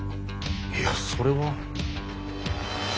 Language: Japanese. いやそれは。